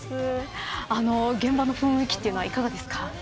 現場の雰囲気というのはいかがですか。